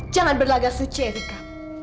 jangan berlagak suci erika